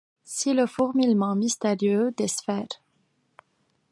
Si le fourmillement mystérieux des sphères